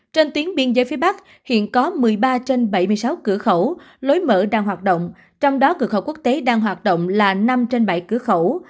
trên tuyến biên giới phía bắc hiện có một mươi ba trên bảy mươi sáu cửa khẩu lối mở đang hoạt động trong đó cửa khẩu quốc tế đang hoạt động là năm trên bảy cửa khẩu